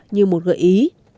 như một gợi ý